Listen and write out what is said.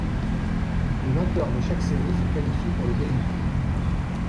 Le vainqueur de chaque série se qualifie pour le deuxième tour.